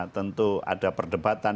tentu ada perdebatan